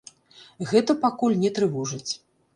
Гэта пакуль не трывожыць.